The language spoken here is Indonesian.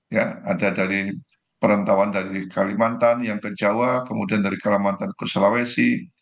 ya ada dari perantauan dari kalimantan yang ke jawa kemudian dari kalimantan ke sulawesi